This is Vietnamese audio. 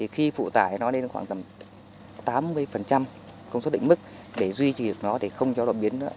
khi phụ tải nó lên khoảng tầm tám mươi công suất định mức để duy trì được nó thì không cho đột biến nữa